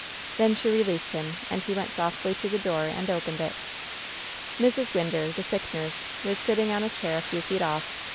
Then she released him, and he went softly to the door and opened it. Mrs. Winder, the sick nurse, was sitting on a chair a few feet off.